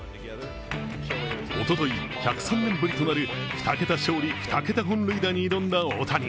おととい、１０３年ぶりとなる２桁勝利２桁本塁打に挑んだ大谷。